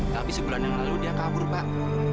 tapi sebulan yang lalu dia kabur pak